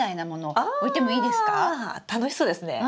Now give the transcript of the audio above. あ楽しそうですね！